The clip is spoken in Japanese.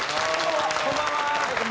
はいこんばんは！